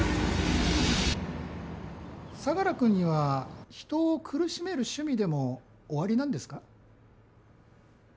相良君には人を苦しめる趣味でもおありなんですか？